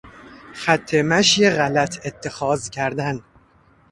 خط مشی غلط اتخاذ کردن